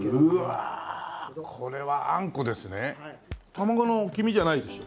卵の黄身じゃないでしょ？